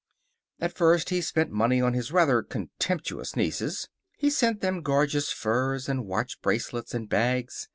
At first he spent money on his rather contemptuous nieces. He sent them gorgeous furs, and watch bracelets, and bags.